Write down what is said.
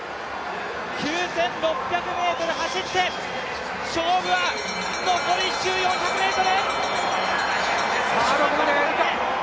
９６００ｍ走って勝負は残り１周、４００ｍ！